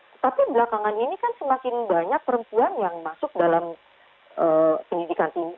tetapi belakangan ini kan semakin banyak perempuan yang masuk dalam pendidikan ini